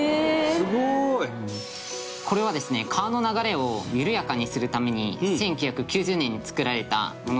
すごい！これはですね川の流れを緩やかにするために１９９０年に作られたものでして。